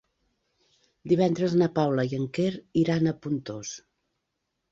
Divendres na Paula i en Quer iran a Pontós.